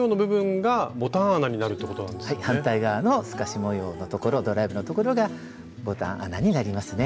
はい反対側の透かし模様の所ドライブの所がボタン穴になりますね。